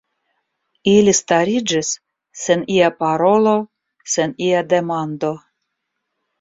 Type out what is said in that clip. Ili stariĝis sen ia parolo, sen ia demando.